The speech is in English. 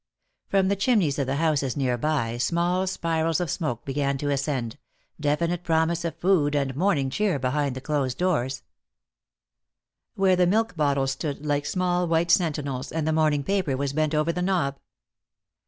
From the chimneys of the houses nearby small spirals of smoke began to ascend, definite promise of food and morning cheer behind the closed doors, where the milk bottles stood like small white sentinels and the morning paper was bent over the knob.